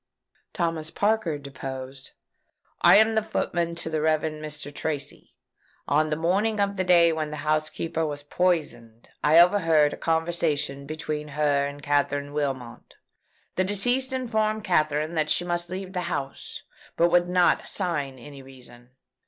Thomas Parker deposed: "I am footman to the Rev. Mr. Tracy. On the morning of the day when the housekeeper was poisoned, I overheard a conversation between her and Katherine Wilmot. The deceased informed Katherine that she must leave the house, but would not assign any reason.